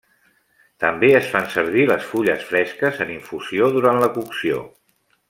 També es fan servir les fulles fresques en infusió durant la cocció.